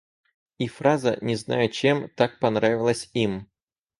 И фраза, не знаю чем, так понравилась им.